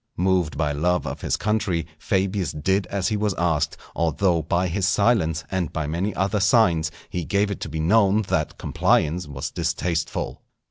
Moved by love of his country Fabius did as he was asked, although by his silence, and by many other signs, he gave it to be known that compliance was distasteful.